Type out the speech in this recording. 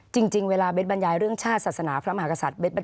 จริงเวลาเบสบรรยายเรื่องชาติศาสนาพระมหากษัตริย์